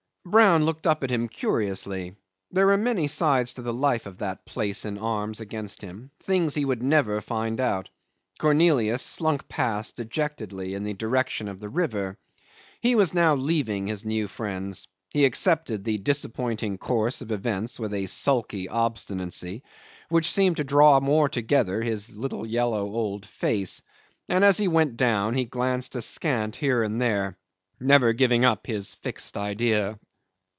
Brown looked up at him curiously. There were many sides to the life of that place in arms against him; things he would never find out. Cornelius slunk past dejectedly in the direction of the river. He was now leaving his new friends; he accepted the disappointing course of events with a sulky obstinacy which seemed to draw more together his little yellow old face; and as he went down he glanced askant here and there, never giving up his fixed idea.